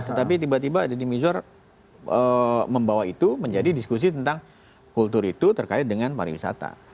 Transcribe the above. tetapi tiba tiba deddy mizwar membawa itu menjadi diskusi tentang kultur itu terkait dengan pariwisata